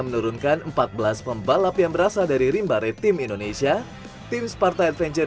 menurunkan empat belas pembalap yang berasal dari rimbari tim indonesia tim sparta adventure